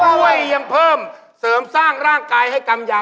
ช่วยยังเพิ่มเสริมสร้างร่างกายให้กำยา